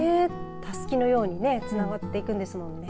たすきのようにねつながっていくんですもんね。